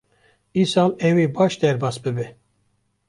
Îsal ew ê baş derbas bibe.